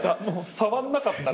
触んなかったら。